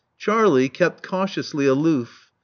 Charlie kept cautiously aloof.